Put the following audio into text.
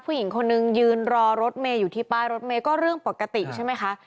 ผู้หญิงคนนึงยืนรอรถเมย์อยู่ที่ป้ายรถเมย์ก็เรื่องปกติใช่ไหมคะ